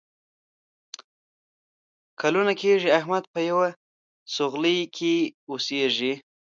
کلونه کېږي احمد په یوه سوغلۍ کې اوسېږي.